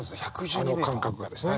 あの間隔がですね。